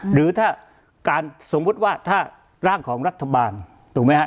หรือถ้าการสมมุติว่าถ้าร่างของรัฐบาลถูกไหมฮะ